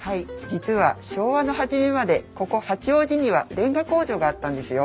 実は昭和の初めまでここ八王子にはれんが工場があったんですよ。